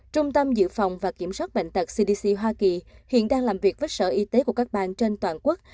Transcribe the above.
trung tâm dự phòng và kiểm soát bệnh tật cdc hoa kỳ hiện đang làm việc với sở y tế của các bang trên toàn quốc